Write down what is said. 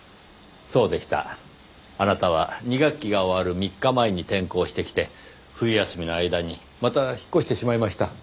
あなたは二学期が終わる３日前に転校してきて冬休みの間にまた引っ越してしまいました。